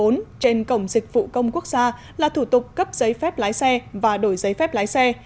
trên cổng dịch vụ công quốc gia là thủ tục cấp giấy phép lái xe và đổi giấy phép lái xe